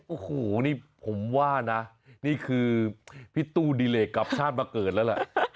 โอ้โหนี่ผมว่านะนี่คือพี่ตู้ดิเลกกลับชาติมาเกิดแล้วล่ะ